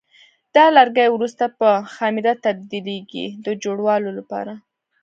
دا لرګي وروسته په خمېره تبدیلېږي د جوړولو لپاره.